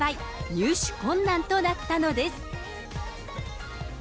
入手困難となったのです。